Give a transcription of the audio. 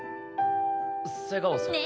瀬川さん。